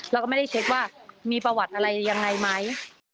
เราก็ไม่ได้เช็คว่ามีประวัติอะไรยังไงไหม